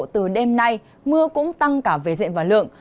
từ đêm nay mưa cũng tăng cả về diện và lượng